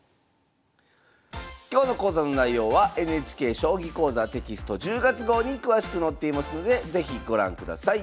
今日の講座の内容はＮＨＫ「将棋講座」テキスト１０月号に詳しく載っていますので是非ご覧ください。